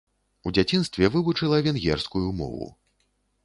У дзяцінстве вывучыла венгерскую мову.